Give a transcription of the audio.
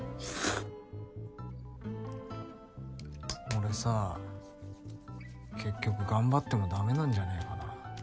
俺さ結局頑張ってもダメなんじゃねぇかな。